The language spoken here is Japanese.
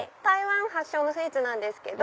台湾発祥のスイーツなんです。